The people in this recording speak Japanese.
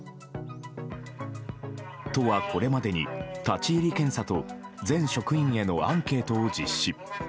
都はこれまでに立ち入り検査と全職員へのアンケートを実施。